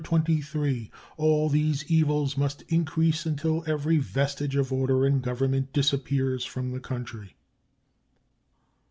23, all these evils must increase until every vestige of order and government disappears from the country."